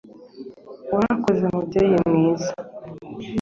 Warakoze Mubyeyi mwiza